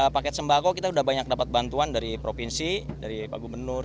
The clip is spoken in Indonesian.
paket sembako kita sudah banyak dapat bantuan dari provinsi dari pak gubernur